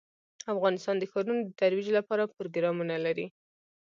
افغانستان د ښارونو د ترویج لپاره پروګرامونه لري.